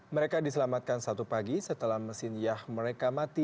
mereka diselamatkan satu pagi setelah mesin yah mereka mati